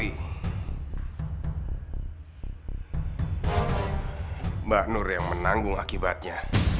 mbak nur yang menanggung akibatnya